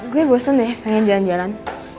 gue bosen deh pengen jalan jalan